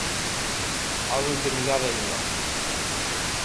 Algo de eternidade hai en nós.